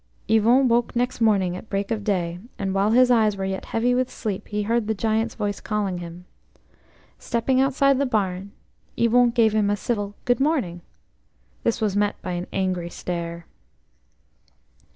Yvon woke next morning at break of day, and while his eyes were yet heavy with sleep, he heard the Giant's voice calling him. Stepping outside the barn, Yvon gave him a civil "good morning." This was met by an angry stare.